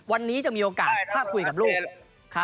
วันนี้จะมีโอกาสถ้าคุยกับลูก